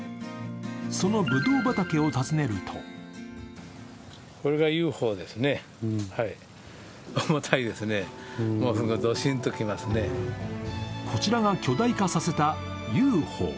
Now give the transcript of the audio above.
そのぶどう畑を訪ねるとこちらが巨大化させた雄宝。